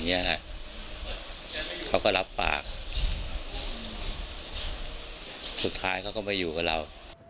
เขาก็รับปากสุดท้ายเขาก็ไม่อยู่กับเรา